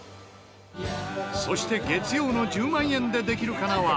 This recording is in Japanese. そして月曜の『１０万円でできるかな』は。